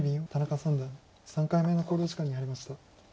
田中三段３回目の考慮時間に入りました。